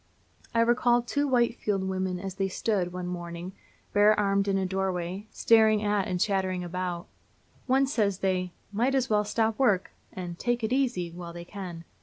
I recall two Whitefield women as they stood, one morning, bare armed in a doorway, staring at and chattering about it. One says they "might as well stop work" and "take it easy" while they can.